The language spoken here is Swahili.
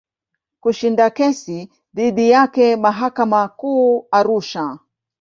Kushinda kesi dhidi yake mahakama Kuu Arusha.